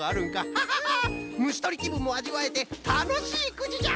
ハハハッむしとりきぶんもあじわえてたのしいくじじゃ！